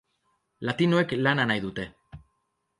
Latinoek lana nahi dute.